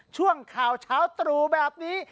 ช่วงข่าวเช้าตรู่แบบนี้